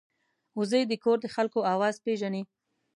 وزې د کور د خلکو آواز پېژني